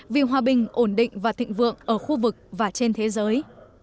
vì hòa bình ổn định và thịnh vượng ở khu vực và trên thế giới